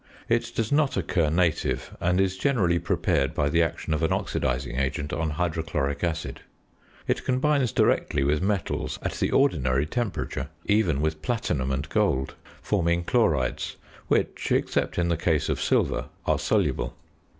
It does not occur native, and is generally prepared by the action of an oxidising agent on hydrochloric acid. It combines directly with metals at the ordinary temperature (even with platinum and gold), forming chlorides, which (except in the case of silver) are soluble.